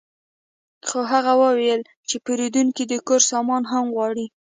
خو هغه وویل چې پیرودونکی د کور سامان هم غواړي